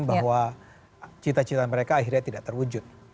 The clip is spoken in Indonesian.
bahwa cita cita mereka akhirnya tidak terwujud